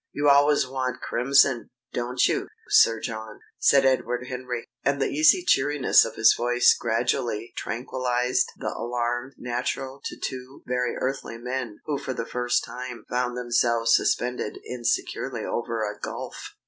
"You always want crimson, don't you, Sir John?" said Edward Henry, and the easy cheeriness of his voice gradually tranquillised the alarm natural to two very earthly men who for the first time found themselves suspended insecurely over a gulf.